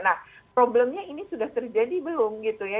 nah problemnya ini sudah terjadi belum gitu ya